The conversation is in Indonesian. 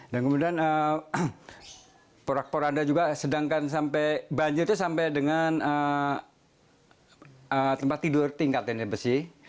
dan kemudian porak poranda juga sedangkan banjir itu sampai dengan tempat tidur tingkat ini besi